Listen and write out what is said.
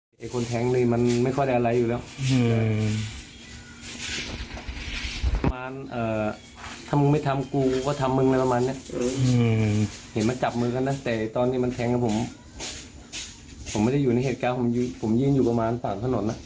เห็นมันกอดนะแล้วทุ่งเลยเราก็นึกมันจะกอดกันเล่นกัน